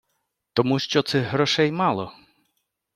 Тому що цих грошей мало.